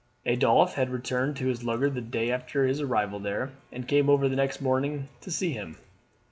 Adolphe had returned in his lugger the day after his arrival there, and came over the next evening to see him.